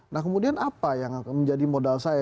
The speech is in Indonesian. nah kemudian apa yang menjadi modal saya